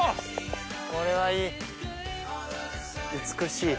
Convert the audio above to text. これはいい美しい。